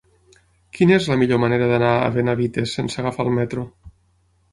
Quina és la millor manera d'anar a Benavites sense agafar el metro?